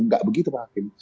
tidak begitu pak hakim